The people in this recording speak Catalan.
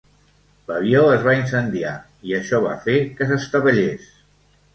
L'avió es va incendiar i això va fer que s'estavellés.